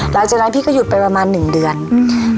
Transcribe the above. หลังจากนั้นพี่ก็หยุดไปประมาณหนึ่งเดือนอืม